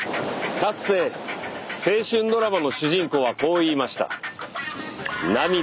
かつて青春ドラマの主人公はこう言いました。